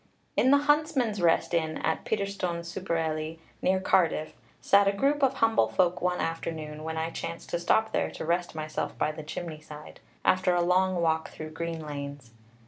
In the Huntsman's Rest Inn at Peterstone super Ely, near Cardiff, sat a group of humble folk one afternoon, when I chanced to stop there to rest myself by the chimney side, after a long walk through green lanes.